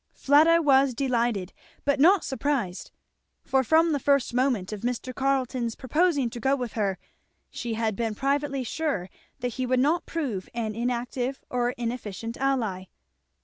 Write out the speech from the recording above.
Fleda was delighted but not surprised; for from the first moment of Mr. Carleton's proposing to go with her she bad been privately sure that he would not prove an inactive or inefficient ally.